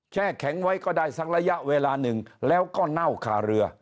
แช่แข็งไว้ก็ได้สักระยะเวลาหนึ่งแล้วก็เน่าคาเรือ